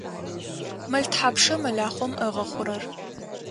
Мэл тхьапша мэлахъом ыгъэхъурэр?